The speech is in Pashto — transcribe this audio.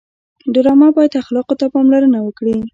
ډرامه باید اخلاقو ته پاملرنه وکړي